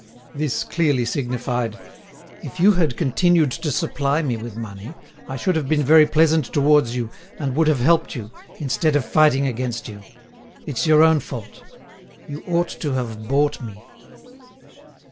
This clearly signified: "If you had continued to supply me with money, I should have been very pleasant towards you, and would have helped you, instead of fighting against you. It's your own fault. You ought to have bought me."